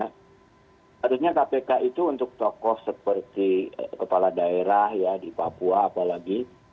harusnya kpk itu untuk tokoh seperti kepala daerah ya di papua apalagi